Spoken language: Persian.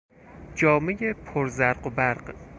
جامهی پر زرق و برق